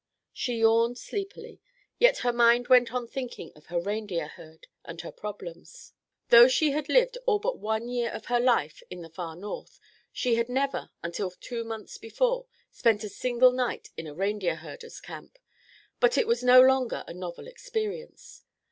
She yawned sleepily, yet her mind went on thinking of her reindeer herd and her problems. Though she had lived all but one year of her life in the far north, she had never, until two months before, spent a single night in a reindeer herder's camp. But it was no longer a novel experience.